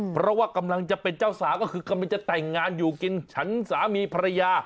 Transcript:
เพราะว่ากำลังจะเป็นเจ้าสาวก็คือกำลังจะแต่งงานอยู่กินฉันสามีภรรยา